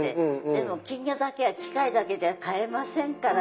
でも金魚だけは機械だけじゃ飼えませんから。